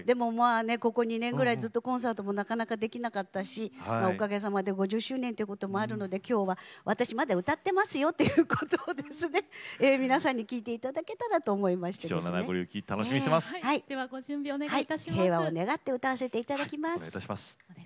でもここ２年ぐらいずっとコンサートもなかなかできなかったしおかげさまで５０周年ということもあるので、きょうは私まだ歌っていますよということで皆さんに聴いていただけたらと思いまして平和を願って歌わせていただきます。